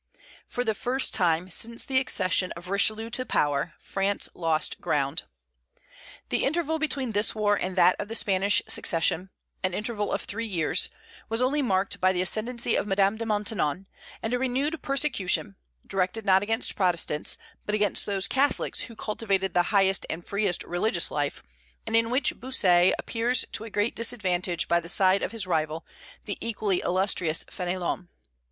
For the first time since the accession of Richelieu to power, France lost ground. The interval between this war and that of the Spanish succession an interval of three years was only marked by the ascendency of Madame de Maintenon, and a renewed persecution, directed not against Protestants, but against those Catholics who cultivated the highest and freest religious life, and in which Bossuet appears to a great disadvantage by the side of his rival, the equally illustrious Fénelon.